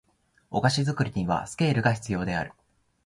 お菓子作りにはスケールが必要である